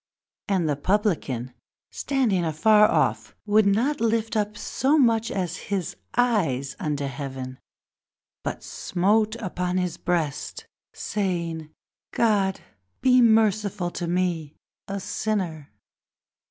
The Publican, Standing afar off, would not lift so much Even as his eyes to heaven, but smote his breast, Saying: God be merciful to me a sinner!